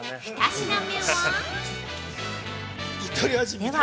◆２品目は？